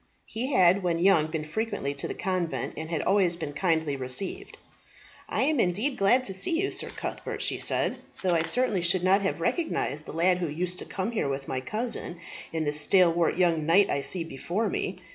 He had when young been frequently to the convent, and had always been kindly received. "I am indeed glad to see you, Sir Cuthbert," she said, "though I certainly should not have recognized the lad who used to come here with my cousin, in the stalwart young knight I see before me.